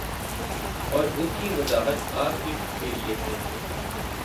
اور اس کی وضاحت آپ ہی کیلئے ہیں